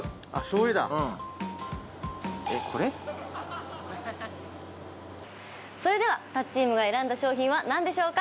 うんそれでは２チームが選んだ商品は何でしょうか？